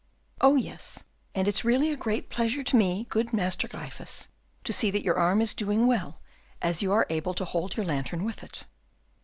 "Oh, yes; and it's really a great pleasure to me, good Master Gryphus, to see that your arm is doing well, as you are able to hold your lantern with it."